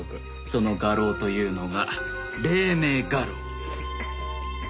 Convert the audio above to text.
その画廊というのが黎明画廊。